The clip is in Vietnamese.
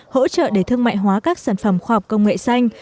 hỗ trợ để thương mại hóa các sản phẩm khoa học công nghệ xanh